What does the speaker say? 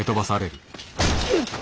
うっ！